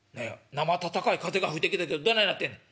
なま暖かい風が吹いてきたけどどないなってんねん」。